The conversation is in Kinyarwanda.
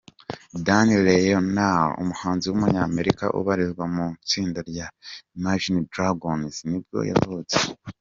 Dan Reynolds, umuhanzi w’umunyamerika ubarizwa mu itsinda rya Imagine Dragons nibwo yavutse.